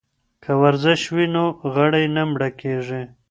که ورزش وي نو غړي نه مړه کیږي.